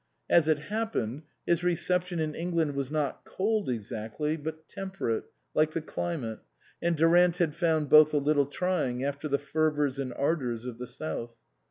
As it happened, his reception in England was not cold exactly, but temperate, like the climate, and Durant had found both a little trying after the fervours and ardours of the South.